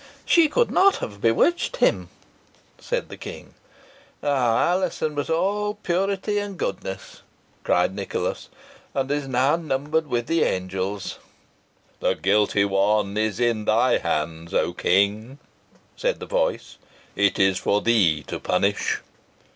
"She could not have bewitched him," said the King. "Alizon was all purity and goodness," cried Nicholas, "and is now numbered with the angels." "The guilty one is in thy hands, O King!" said the voice. "It is for thee to punish."